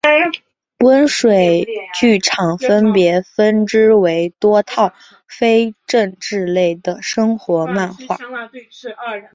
温水剧场分别分支为多套非政治类的生活漫画